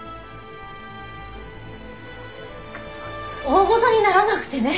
大ごとにならなくてね。